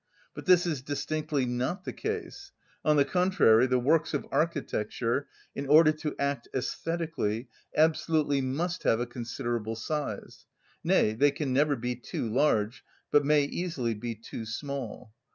But this is distinctly not the case; on the contrary, the works of architecture, in order to act æsthetically, absolutely must have a considerable size; nay, they can never be too large, but may easily be too small.